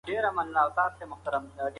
د تبه پر مهال دروند پوښ مه کاروئ.